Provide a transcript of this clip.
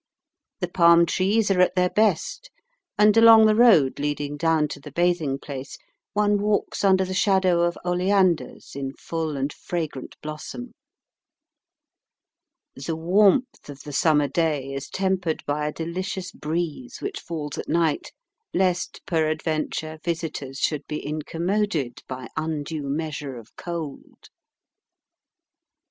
The palm trees are at their best, and along the road leading down to the bathing place one walks under the shadow of oleanders in full and fragrant blossom. The warmth of the summer day is tempered by a delicious breeze, which falls at night, lest peradventure visitors should be incommoded by undue measure of cold.